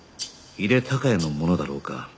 井手孝也のものだろうか？